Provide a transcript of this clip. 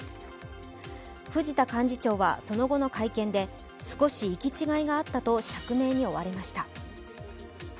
藤田幹事長はその後の会見で少し行き違いがあったと釈明に追われました。